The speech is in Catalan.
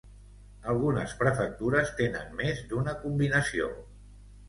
Algunes prefectures tenen més d'una combinació.